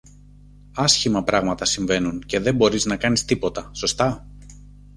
Άσχημα πράγματα συμβαίνουν, και δε μπορείς να κάνεις τίποτα, σωστά;